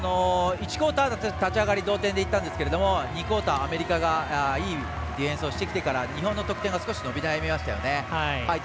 １クオーター立ち上がり同点でいったんですけど２クオーター、アメリカがいいディフェンスをしてきてから日本の得点が少し伸び悩みました。